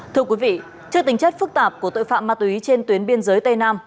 thưa quý vị trước tính chất phức tạp của tội phạm ma túy trên tuyến biên giới tây nam